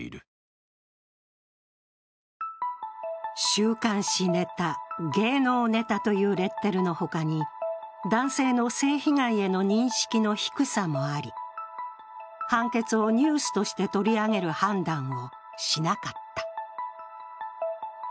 週刊誌ネタ、芸能ネタというレッテルの他に男性の性被害への認識の低さもあり、判決をニュースとして取り上げる判断をしなかった。